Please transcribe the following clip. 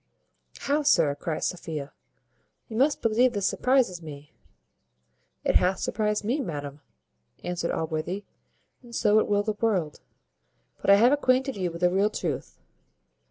"How, sir!" cries Sophia "you must believe this surprizes me." "It hath surprized me, madam," answered Allworthy, "and so it will the world. But I have acquainted you with the real truth."